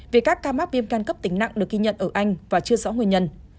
về các ca mắc viêm can cấp tính nặng được ghi nhận ở anh và chưa rõ nguyên nhân